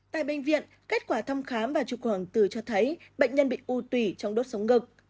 tại bệnh viện kết quả thăm khám và trục hưởng từ cho thấy bệnh nhân bị u tùy trong đốt sống ngực